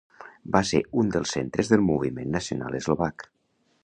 Va ser un dels centres del Moviment Nacional Eslovac.